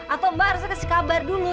atau mbak harusnya kasih kabar dulu